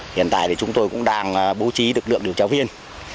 hiện tại thì chúng tôi cũng đang bố trí lực lượng điều tra viên